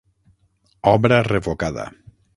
Obra revocada.